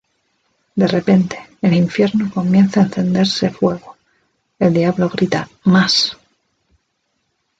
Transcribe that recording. De repente, el infierno comienza a encenderse fuego, el Diablo grita "Mas!